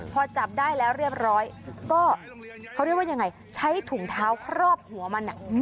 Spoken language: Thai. พอจับได้แล้วเรียบร้อยก็เขาเรียกว่ายังไงใช้ถุงเท้าครอบหัวมัน